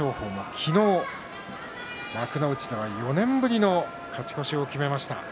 昨日、幕内では４年ぶりの勝ち越しを決めました。